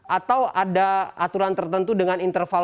atau ada aturan tertentu dengan interval